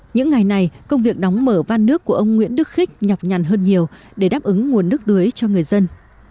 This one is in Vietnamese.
những ngày này công việc đóng mở van nước của ông nguyễn đức khích nhọc nhằn hơn nhiều để đáp ứng nguồn nước đuối cho người dân